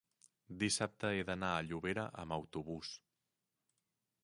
dissabte he d'anar a Llobera amb autobús.